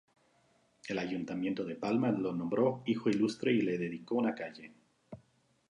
El Ayuntamiento de Palma lo nombró hijo ilustre y le dedicó una calle.